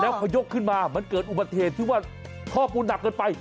แล้วพอยกขึ้นมามันเกิดอุบัติเหตุที่ว่าท่อปูนหนักเกินไป